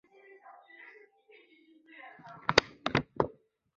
重机枪是机枪的两个分类中较大型号那类的统称。